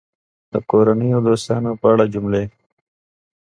د کورنۍ او دوستانو په اړه جملې